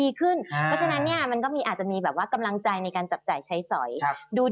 พี่หนิงครับส่วนตอนนี้เนี่ยนักลงทุนแล้วนะครับเพราะว่าระยะสั้นรู้สึกว่าทางสะดวกนะครับเพราะว่าระยะสั้นรู้สึกว่าทางสะดวกนะครับ